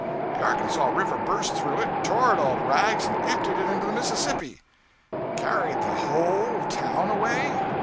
The Arkansas River burst through it, tore it all to rags, and emptied it into the Mississippi!' 'Carried the _whole _town away?